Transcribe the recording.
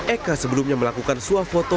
eka sebelumnya melakukan suafoto